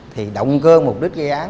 thì động cơ mục đích gây án